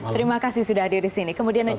terima kasih sudah hadir di sini